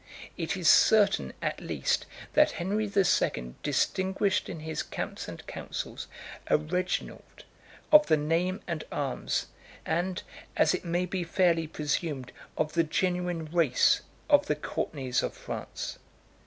It is certain, at least, that Henry the Second distinguished in his camps and councils a Reginald, of the name and arms, and, as it may be fairly presumed, of the genuine race, of the Courtenays of France.